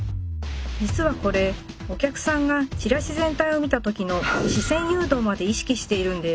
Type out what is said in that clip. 実はこれお客さんがチラシ全体を見た時の視線誘導まで意識しているんです。